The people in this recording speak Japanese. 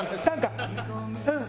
うん。